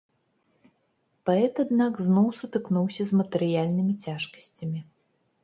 Паэт, аднак, зноў сутыкнуўся з матэрыяльнымі цяжкасцямі.